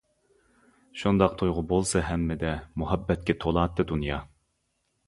شۇنداق تۇيغۇ بولسا ھەممىدە، مۇھەببەتكە تولاتتى دۇنيا.